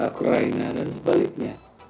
ukraina dan sebaliknya